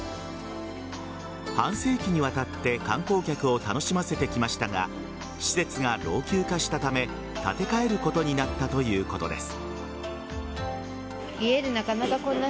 半世紀にわたって観光客を楽しませてきましたが施設が老朽化したため建て替えることになったということです。